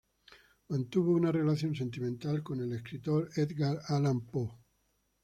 Mantuvo una relación sentimental con el escritor Edgar Allan Poe.